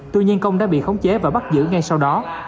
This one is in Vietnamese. tuy nhiên công đã bị khống chế và bắt giữ ngay sau đó